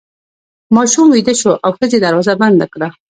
ماشوم ویده شو او ښځې دروازه بنده کړه.